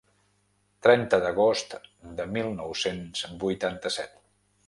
Trenta d’agost de mil nou-cents vuitanta-set.